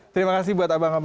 terima kasih buat abang abang